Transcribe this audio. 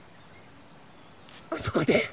あそこで？